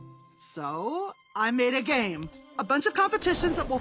そう。